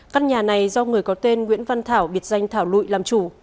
căn nhà này do người có tên nguyễn văn thảo biệt danh thảo lụy làm chủ